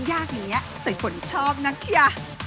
ยากนี้สายผนน่ะช้้อนักเชีย